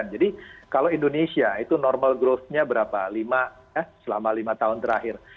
jadi kalau indonesia itu normal growth nya berapa lima ya selama lima tahun terakhir